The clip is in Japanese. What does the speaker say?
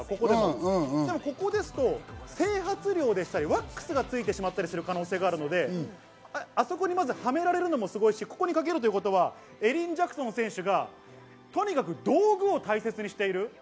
でもここですと整髪料でしたり、ワックスがついてしまったりする可能性があるので、あそこにまず、はめられるのもすごいし、ここに掛けるというのはエリン・ジャクソン選手がとにかく道具を大切にしている。